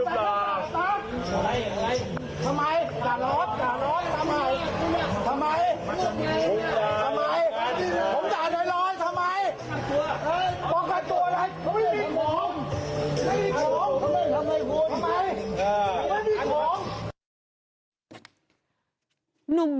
ทำไมทำไมมีของ